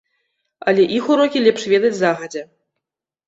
Але іх урокі лепш ведаць загадзя.